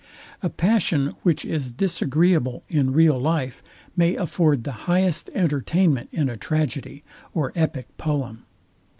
A passion, which is disagreeable in real life, may afford the highest entertainment in a tragedy, or epic poem.